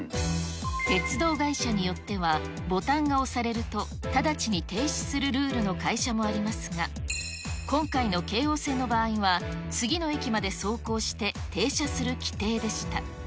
鉄道会社によっては、ボタンが押されると、直ちに停止するルールの会社もありますが、今回の京王線の場合は、次の駅まで走行して、停車する規定でした。